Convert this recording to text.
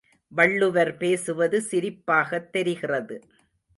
வள்ளுவர் பேசுவது சிரிப்பாகத் தெரிகிறது.